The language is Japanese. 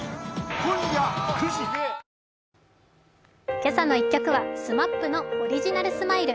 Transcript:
「けさの１曲」はＳＭＡＰの「オリジナルスマイル」。